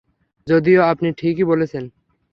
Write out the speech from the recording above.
যদিও, আপনি ঠিকই বলছেন।